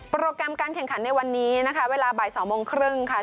โปรแกรมการแข่งขันในวันนี้นะคะเวลาบ่าย๒โมงครึ่งค่ะ